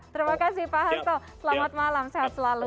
terima kasih pak hasto selamat malam sehat selalu